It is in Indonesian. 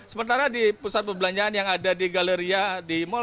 sementara di pusat perbelanjaan yang ada di galeria di mall